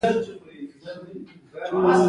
د فراه په بخش اباد کې د څه شي نښې دي؟